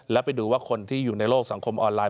แล้วไปดูว่าคนที่อยู่ในโลกสังคมออนไลน